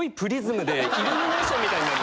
イルミネーションみたいになる。